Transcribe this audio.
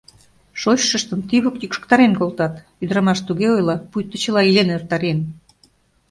Шочшыштым тӱвыт йӱкшыктарен колтат, — ӱдырамаш туге ойла, пуйто чыла илен эртарен.